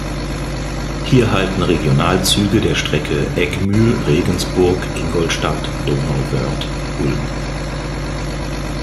Hier halten Regionalzüge der Strecke Eggmühl–Regensburg–Ingolstadt–Donauwörth–Ulm.